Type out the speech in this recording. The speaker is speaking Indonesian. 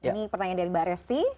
ini pertanyaan dari mbak resti